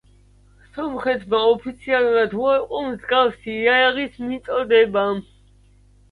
სომხეთმა ოფიციალურად უარყო მსგავსი იარაღის მიწოდება.